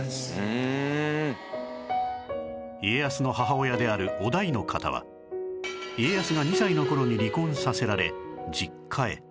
家康の母親である於大の方は家康が２歳の頃に離婚させられ実家へ